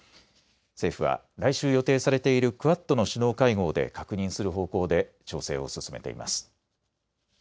政府は来週予定されているクアッドの首脳会合で確認する方向で調整を進めています。